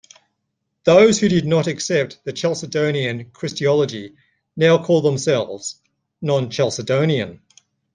Those who did not accept the Chalcedonian Christology now call themselves "non-Chalcedonian".